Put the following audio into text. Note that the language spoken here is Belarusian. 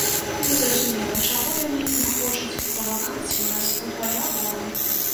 Незразумела, чаго яны не хочуць, бо вакансій у нас удвая болей.